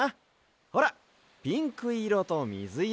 ほらピンクいろとみずいろ